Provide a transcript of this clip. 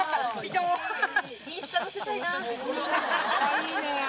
いいね！